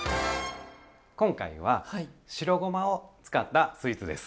今回は白ごまを使ったスイーツです。